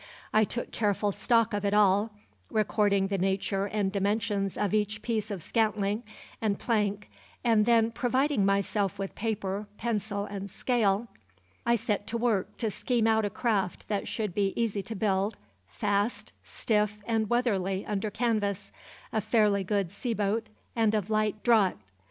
I took careful stock of it all, recording the nature and dimensions of each piece of scantling and plank, and then, providing myself with paper, pencil, and scale, I set to work to scheme out a craft that should be easy to build, fast, stiff and weatherly under canvas, a fairly good sea boat, and of light draught.